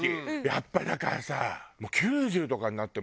やっぱりだからさ。